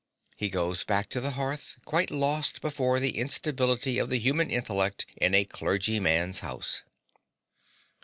(He goes back to the hearth, quite lost before the instability of the human intellect in a clergyman's house.)